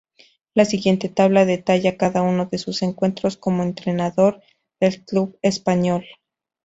La siguiente tabla detalla cada uno de sus encuentros como entrenador del club español.